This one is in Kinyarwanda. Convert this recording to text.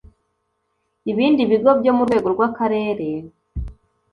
ibindi bigo byo mu rwego rw akarere